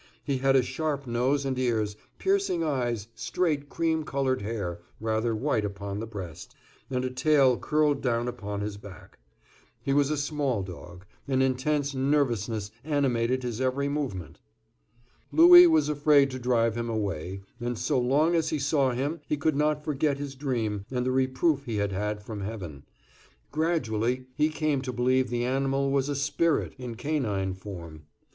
He had a sharp nose and ears, piercing eyes, straight, cream colored hair rather white upon the breast, and a tail curled down upon his back. He was a small dog; an intense nervousness animated his every movement. Louis was afraid to drive him away, and so long as he saw him he could not forget his dream and the reproof he had had from heaven; gradually he came to believe the animal was a spirit in canine form.